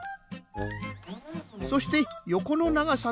そしてよこのながさのぶん